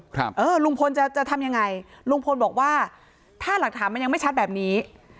ครับเออลุงพลจะจะทำยังไงลุงพลบอกว่าถ้าหลักฐานมันยังไม่ชัดแบบนี้